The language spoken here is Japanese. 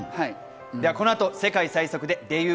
この後、世界最速でデビュー